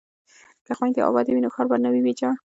که خویندې ابادې وي نو ښار به نه وي ویجاړ.